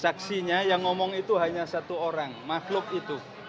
saksinya yang ngomong itu hanya satu orang makhluk itu